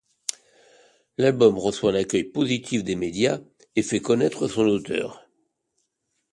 L'album reçoit un accueil positif des médias et fait connaître son auteur.